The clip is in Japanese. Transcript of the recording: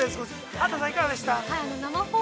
畑さん、いかがでしたか？